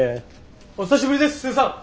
お久しぶりですすーさん。